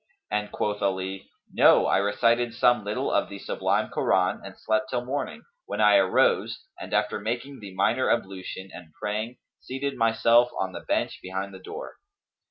and quoth Ali "No, I recited some little of the Sublime Koran and slept till morning, when I arose and, after making the minor ablution and praying, seated myself on the bench behind the door."